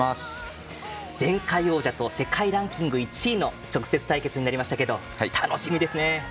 前回王者と世界ランキング１位の直接対決になりましたけど楽しみですね。